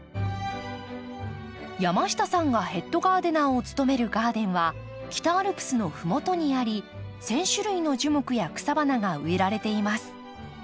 山下さんがヘッドガーデナーを務めるガーデンは北アルプスの麓にあり１，０００種類の樹木や草花が植えられています。